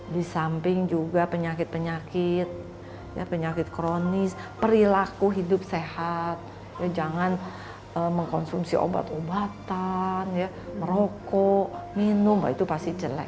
di samping juga penyakit penyakit kronis perilaku hidup sehat jangan mengkonsumsi obat obatan merokok minum itu pasti jelek